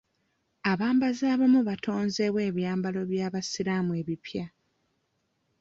Abambazi abamu batonzeewo ebyambalo by'abasiraamu ebipya.